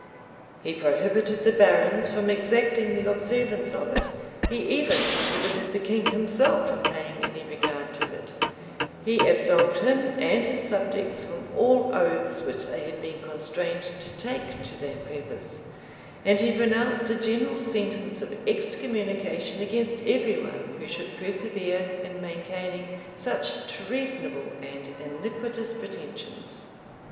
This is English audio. He prohibited the barons from exacting the observance of it: he even prohibited the king himself from paying any regard to it: he absolved him and his subjects from all oaths which they had been constrained to take to that purpose; and he pronounced a general sentence of excommunication against every one who should persevere in maintaining such treasonable and iniquitous pretensions.